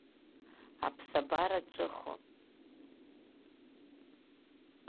Аԥсабара ҿыхон.